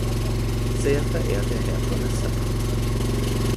Sehr verehrter Herr Kommissar!